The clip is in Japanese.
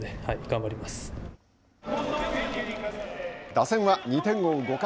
打線は２点を追う５回。